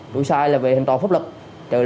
tôi sai là vì hành động pháp luật